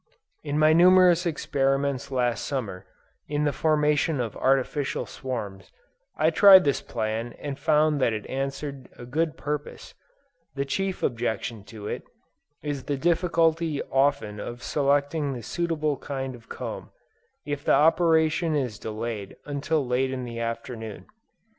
In my numerous experiments last Summer, in the formation of artificial swarms, I tried this plan and found that it answered a good purpose; the chief objection to it, is the difficulty often of selecting the suitable kind of comb, if the operation is delayed until late in the afternoon.